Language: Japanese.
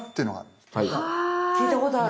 聞いたことある。